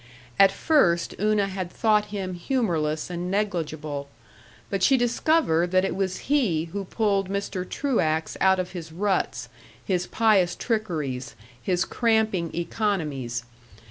At first Una had thought him humorless and negligible, but she discovered that it was he who pulled Mr. Truax out of his ruts, his pious trickeries, his cramping economies.